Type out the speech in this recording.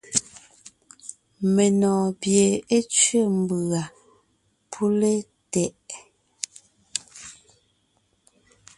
Menɔ̀ɔn pie é tsẅé mbʉ̀a pʉ́le tɛʼ.